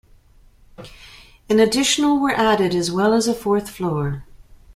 An additional were added, as well as a fourth floor.